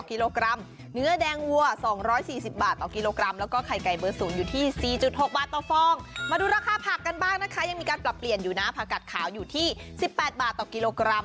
หรือสิบแปดบาทต่อกิโลกรัม